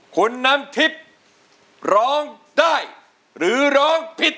คุณน้ำทิพย์ร้องได้หรือร้องผิด